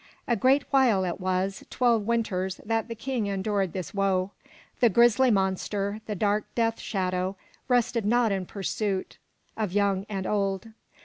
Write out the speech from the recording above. A great while it was, twelve winters that the King endured this woe. The grisly monster, the dark death shadow, rested not in pursuit of young and old.